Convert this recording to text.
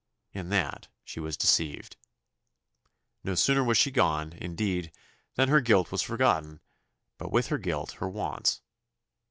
In that she was deceived. No sooner was she gone, indeed, than her guilt was forgotten; but with her guilt her wants.